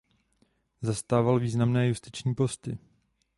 Zastával významné justiční posty.